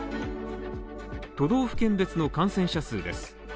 都道府県別の感染者数です。